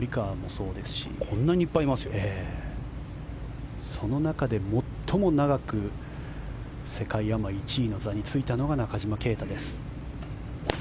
その中で最も長く世界アマ１位の座に就いたのが中島啓太です。